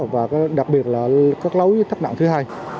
và đặc biệt là các lối thấp nặng thứ hai